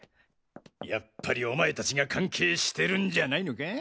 やっぱりお前たちが関係してるんじゃないのか。